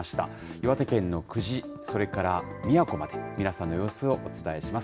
岩手県のくじ、それからみやこまで、皆さんの様子をお伝えします。